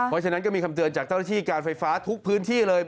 เพราะฉะนั้นก็มีคำเตือนจากเจ้าหน้าที่การไฟฟ้าทุกพื้นที่เลย